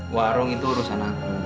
warung itu urusan aku